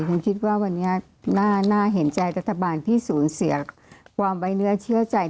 คุณคิดว่าวันนี้น่าเห็นใจรัฐบาลที่สูญเสียความไว้เนื้อเชื่อใจ